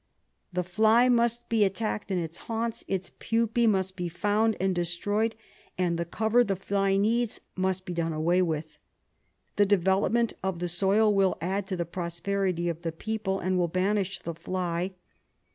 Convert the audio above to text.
The fly must be attacked in its haunts, its pupa) must be found and destroyed, and the cover the fly needs must be done away with. The development of the soil will add to the prosperity of the people, and will banish the fly.